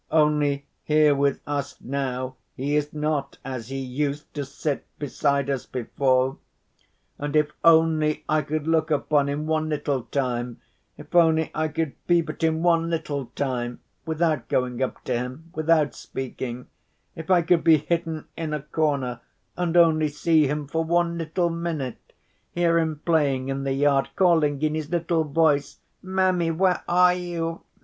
Only, here with us now he is not as he used to sit beside us before.' And if only I could look upon him one little time, if only I could peep at him one little time, without going up to him, without speaking, if I could be hidden in a corner and only see him for one little minute, hear him playing in the yard, calling in his little voice, 'Mammy, where are you?